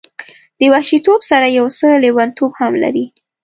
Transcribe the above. د وحشي توب سره یو څه لیونتوب هم لري.